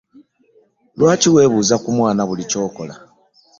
Lwaki weebuuza ku mwana buli kyokola?